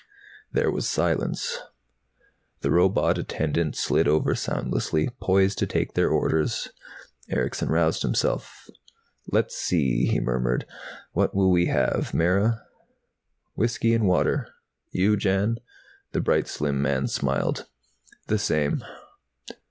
There was silence. The robot attendant slid over soundlessly, poised to take their orders. Erickson roused himself. "Let's see," he murmured. "What will we have? Mara?" "Whiskey and water." "You, Jan?" The bright slim man smiled. "The same."